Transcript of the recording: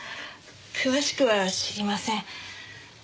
詳しくは知りません。